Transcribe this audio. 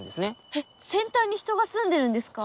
えっ扇端に人が住んでるんですか？